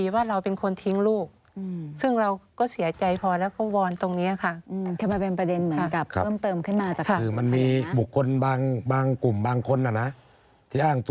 พ่อเลี้ยงเนี่ยช่วยลูกตรงไหนบ้างเลี้ยงตรงไหน